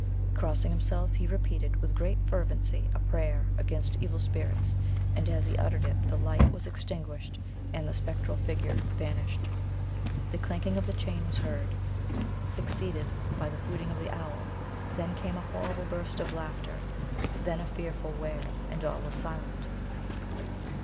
Crossing himself, he repeated, with great fervency, a prayer, against evil spirits, and as he uttered it the light was extinguished, and the spectral figure vanished. The clanking of the chain was heard, succeeded by the hooting of the owl; then came a horrible burst of laughter, then a fearful wail, and all was silent.